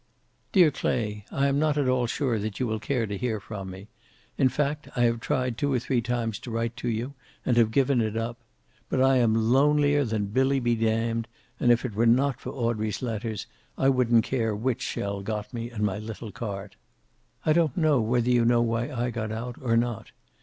"Dear Clay: I am not at all sure that you will care to hear from me. In fact, I have tried two or three times to write to you, and have given it up. But I am lonelier than Billy be damned, and if it were not for Audrey's letters I wouldn't care which shell got me and my little cart. "I don't know whether you know why I got out, or not.